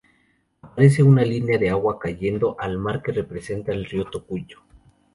Aparece una línea de agua cayendo al mar que representa el Río Tocuyo.